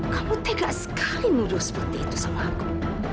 kamu tega sekali menyuduh seperti itu sama aku